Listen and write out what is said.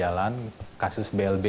iktp yang halus dan berjalan